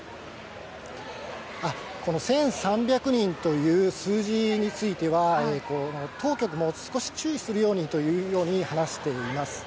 この１３００人という数字については、当局も少し注意するようにというふうに話しています。